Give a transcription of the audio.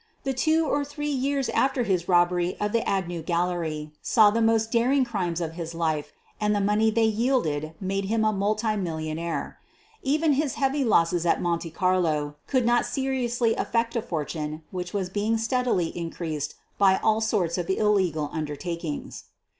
The two or three years after his robbery of the Agnew gallery saw the most daring crimes of his life and the money they yielded made him a multi million aire. Even his heavy losses at Monte Carlo could not seriously affect a fortune which was being stead ily increased by all sorts of illegal undertakings.